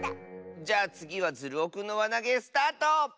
じゃあつぎはズルオくんのわなげスタート！